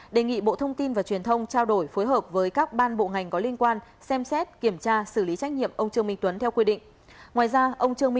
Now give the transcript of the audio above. đề nghị bộ thông tin và truyền thông trao đổi phối hợp với các ban bộ ngành có liên quan xem xét kiểm tra xử lý trách nhiệm ông trương minh tuấn theo quy định